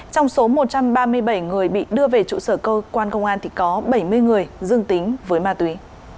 trong số một trăm ba mươi bảy người bị đưa về trụ sở cơ quan công an thì có bảy mươi người dương tính với ma túy